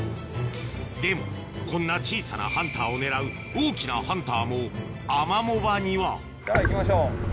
でもこんな小さなハンターを狙う大きなハンターもアマモ場にはじゃあ行きましょう。